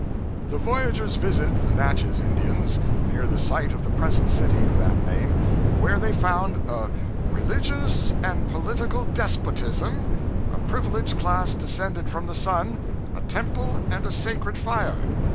The voyagers visited the Natchez Indians, near the site of the present city of that name, where they found a 'religious and political despotism, a privileged class descended from the sun, a temple and a sacred fire.'